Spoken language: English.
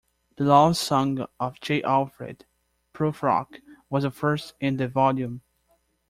"The Love Song of J. Alfred Prufrock" was the first in the volume.